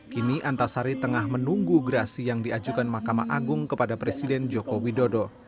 kini antasari tengah menunggu gerasi yang diajukan mahkamah agung kepada presiden joko widodo